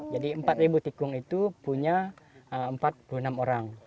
jadi empat tikung itu punya empat puluh enam orang